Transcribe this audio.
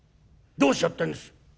「どうしようってんです？」。